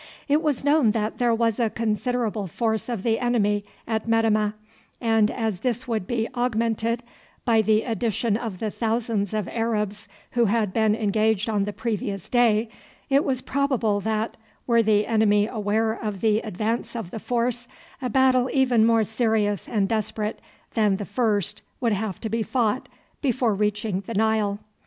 It was known that there was a considerable force of the enemy at Metemmeh, and as this would be augmented by the addition of the thousands of Arabs who had been engaged on the previous day, it was probable that, were the enemy aware of the advance of the force, a battle even more serious and desperate than the first would have to be fought before reaching the Nile.